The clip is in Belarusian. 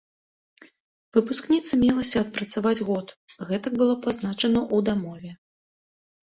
Выпускніца мелася адпрацаваць год, гэтак было пазначана ў дамове.